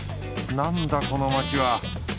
なんだこの街は。